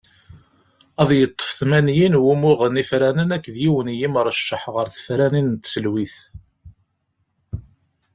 Ad yeṭṭef tmanyin n wumuɣen ifranen akked yiwen n yimrecceḥ ɣer tefranin n tselwit.